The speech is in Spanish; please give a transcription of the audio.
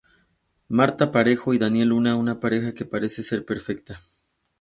Marta Parejo y Daniel Luna una pareja que parece ser perfecta.